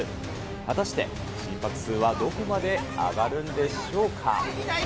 果たして心拍数はどこまで上がるんでしょうか。